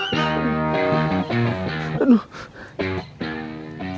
pindahkan tangan antum